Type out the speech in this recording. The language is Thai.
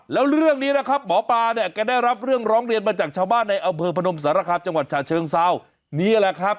แล้วเรื่องนี้นะครับหมอปลาเนี่ยแกได้รับเรื่องร้องเรียนมาจากชาวบ้านในอำเภอพนมสารคามจังหวัดฉะเชิงเซานี่แหละครับ